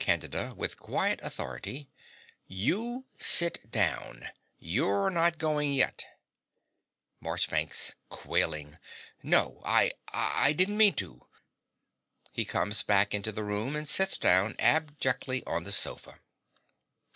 CANDIDA (with quiet authority). You sit down. You're not going yet. MARCHBANKS (quailing). No: I I didn't mean to. (He comes back into the room and sits down abjectly on the sofa.)